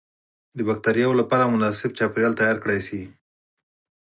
د بکترياوو لپاره مناسب چاپیریال تیار کړای شي.